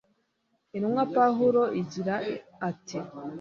Intumwa Pawulo agira ati